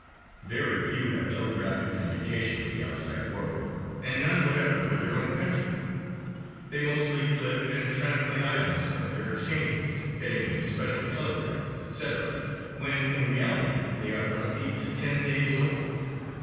Very few have telegraphic communication with the outside world, and none whatever with their own country. They mostly clip and translate items from their exchanges, heading them "Special telegrams," etc., when in reality they are from eight to ten days old.